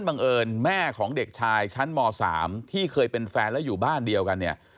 บังเอิญแม่ของเด็กชายชั้นม๓ที่เคยเป็นแฟนแล้วอยู่บ้านเดียวกันเนี่ย